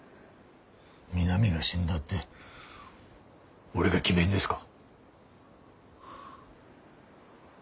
美波が死んだって俺が決めんですか。